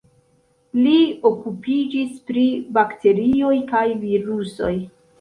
Li okupiĝis pri bakterioj kaj virusoj.